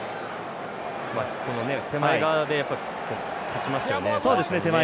この手前側で勝ちましたよね。